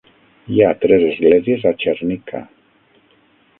Hi ha tres esglésies a Cerknica.